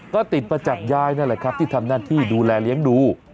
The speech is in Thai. ก็ติดมาจากยายนั่นแหละครับที่ทำหน้าที่ดูแลเลี้ยงดู